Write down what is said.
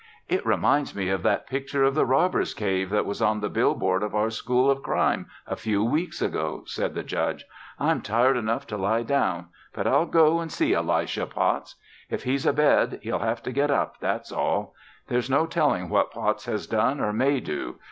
"It reminds me of that picture of the Robbers' Cave that was on the billboard of our school of crime a few weeks ago," said the Judge. "I'm tired enough to lie down, but I'll go and see Elisha Potts. If he's abed, he'll have to get up, that's all. There's no telling what Potts has done or may do.